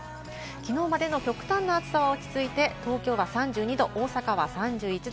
きのうまでの極端な暑さは落ち着いて東京は３２度、大阪は３１度。